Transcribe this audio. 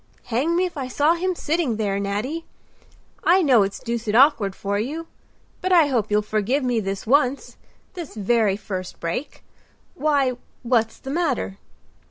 "Hang me if I saw him sitting there, Nattie! I know it's deuced awkward for you. But I hope you'll forgive me this once—this very first break. Why, what's the matter?"